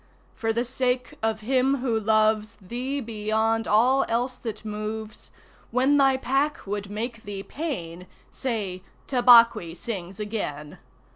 For the sake of him who loves Thee beyond all else that moves, When thy Pack would make thee pain, Say: "Tabaqui sings again."